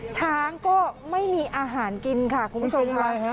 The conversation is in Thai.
ช้างก็ไม่มีอาหารกินค่ะคุณผู้ชมค่ะ